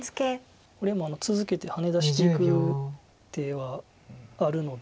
これも続けてハネ出していく手はあるので。